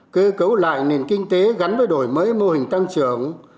cơ cấu lại nền kinh tế gắn với đổi mới mô hình tăng trưởng